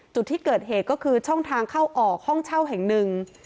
จุดที่เกิดเหตุก็คือช่องทางเข้าออกห้องเช่าแห่งหนึ่ง